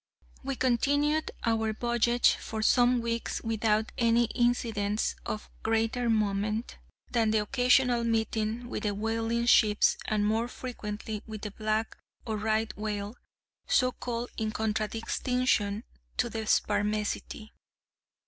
We continued our voyage for some weeks without any incidents of greater moment than the occasional meeting with whaling ships, and more frequently with the black or right whale, so called in contradistinction to the spermaceti.